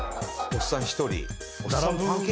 おっさん１人。